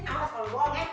awas kalau uang ya